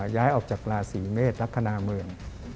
ย้ายออกจากราศีเมษลักษณะเมือง